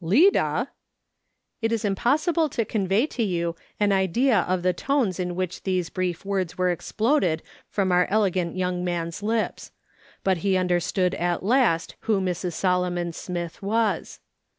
" Lida !" It is impossible to convey to you an idea of the tones in which tliese brief words were exploded from our elegant young man's lips. But he under stood at last who Mrs. Solomon Smith was.